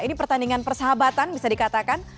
ini pertandingan persahabatan bisa dikatakan